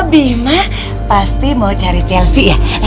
bima pasti mau cari chelsea ya